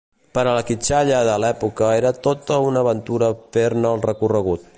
Per a la quitxalla de l'època era tota una aventura fer-ne el recorregut.